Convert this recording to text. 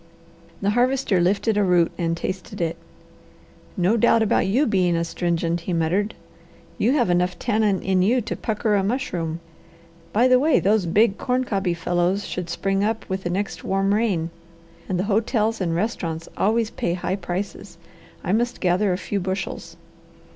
The Harvester lifted a root and tasted it. "No doubt about you being astringent," he muttered. "You have enough tannin in you to pucker a mushroom. By the way, those big, corn cobby fellows should spring up with the next warm rain, and the hotels and restaurants always pay high prices. I must gather a few bushels."